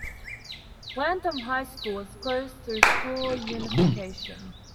Latham High School was closed through school unification.